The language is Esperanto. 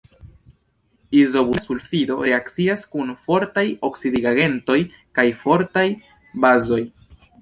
Izobutila sulfido reakcias kun fortaj oksidigagentoj kaj fortaj bazoj.